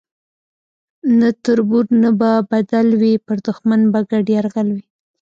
نه تربور نه به بدل وي پر دښمن به ګډ یرغل وي